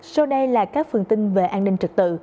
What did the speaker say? sau đây là các phần tin về an ninh trật tự